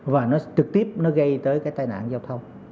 và nó trực tiếp nó gây tới cái tai nạn giao thông